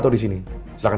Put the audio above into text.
kamu itu sudah vancing aja